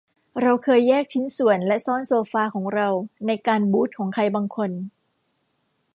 เราเคยแยกชิ้นส่วนและซ่อนโซฟาของเราในการบูทของใครบางคน